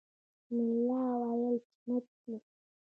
بسم الله ویل سنت دي